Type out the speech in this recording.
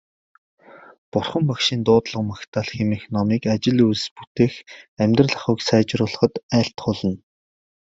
Бурхан Багшийн дуудлага магтаал хэмээх номыг ажил үйлс бүтээх, амьдрал ахуйг сайжруулахад айлтгуулна.